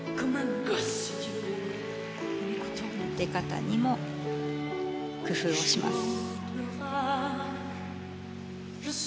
出方にも工夫をします。